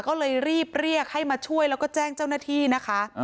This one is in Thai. ก็เลยรีบเรียกให้มาช่วยแล้วก็แจ้งเจ้าหน้าที่นะคะ